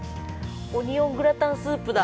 ◆オニオングラタンスープだ。